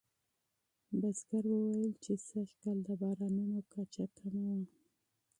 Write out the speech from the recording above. بزګر وویل چې سږکال د بارانونو کچه کمه وه.